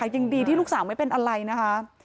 ยังดีที่ลูกสาวไม่เป็นอะไรนะคะ